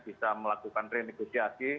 bisa melakukan renegosiasi